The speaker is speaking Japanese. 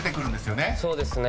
そうですね。